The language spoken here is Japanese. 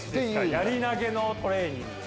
やり投げのトレーニング。